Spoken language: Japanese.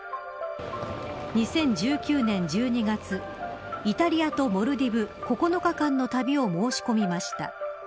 ２０１９年１２月イタリアとモルディブ９日間の旅を申し込みました。